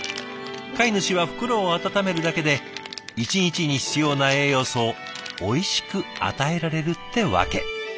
飼い主は袋を温めるだけで一日に必要な栄養素をおいしく与えられるってわけ。